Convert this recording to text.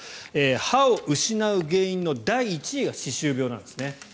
歯を失う原因の第１位が歯周病なんですね。